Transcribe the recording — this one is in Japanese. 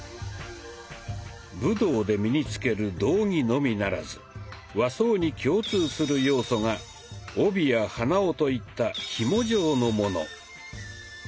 武道で身に着ける道着のみならず和装に共通する要素が帯や鼻緒といった紐状のもの。